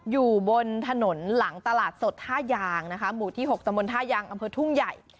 อยู่บนถนนหลังตลาดสดท่ายางนะคะหมู่ที่๖ตำบลท่ายางอำเภอทุ่งใหญ่